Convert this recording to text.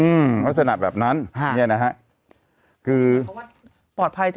อืมลักษณะแบบนั้นชนิดเนี่ยนะฮะ